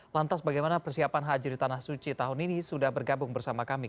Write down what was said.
lantas bagaimana persiapan haji di tanah suci tahun ini sudah bergabung bersama kami